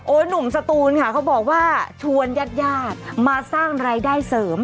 หนุ่มสตูนค่ะเขาบอกว่าชวนญาติญาติมาสร้างรายได้เสริม